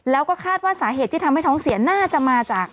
แล้วก็คาดว่าสาเหตุที่ทำให้ท้องเสียน่าจะมาจาก